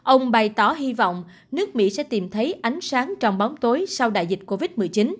ông bày tỏ hy vọng nước mỹ sẽ tìm thấy ánh sáng trong bóng tối sau đại dịch covid một mươi chín